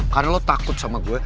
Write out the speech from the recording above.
karena lo takut sama gue